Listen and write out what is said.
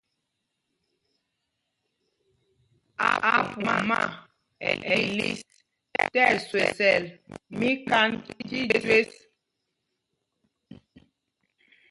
Ápumá ɛ liš tí ɛswesɛl míkand tí jüés.